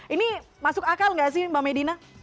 ini masuk akal nggak sih mbak medina